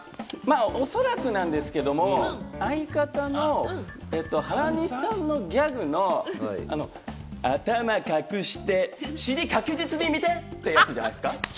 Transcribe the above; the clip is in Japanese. おそらくなんですけれども、相方の原西さんのギャグの頭隠して、尻確実に見て！ってやつじゃないですか？